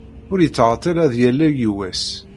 Ur yettɛeḍḍil ad yaley wass.